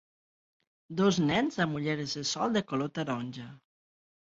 Dos nens amb ulleres de sol de color taronja.